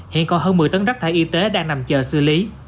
hiện còn hơn một mươi tấn rác thải y tế đang nằm chờ xử lý